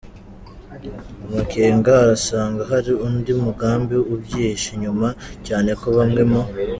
amakenga, arasanga hari undi mugambi ubyihishe inyuma cyane ko bamwe mu